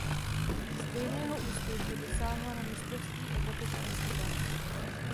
Stejného úspěchu dosáhla na mistrovství Evropy v Amsterdamu.